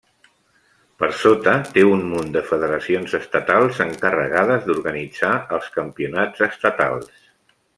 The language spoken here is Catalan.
Per sota té un munt de federacions estatals encarregades d'organitzar els campionats estatals.